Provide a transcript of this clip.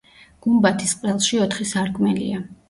გუმბათის ყელში ოთხი სარკმელია.